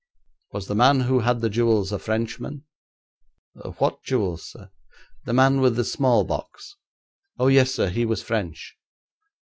'Was the man who had the jewels a Frenchman?' 'What jewels, sir?' 'The man with the small box.' 'Oh, yes, sir; he was French.'